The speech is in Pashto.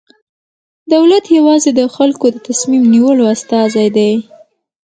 دولت یوازې د خلکو د تصمیم نیولو استازی دی.